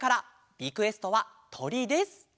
リクエストは「とり」です。